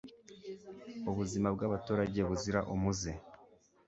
ubuzima bw'abaturage buzira umuze